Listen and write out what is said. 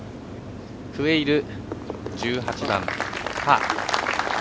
クウェイル、１８番、パー。